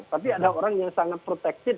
tapi ada orang yang sangat protektif